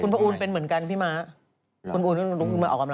คุณประอุณเป็นเหมือนกันพี่ม้าคุณประอุณออกกำลังกลาง